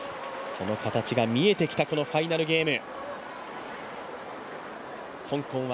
その形が見えてきたこのファイナルゲーム。